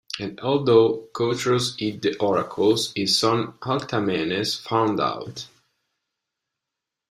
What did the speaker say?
And although Catreus hid the oracles, his son Althaemenes found out.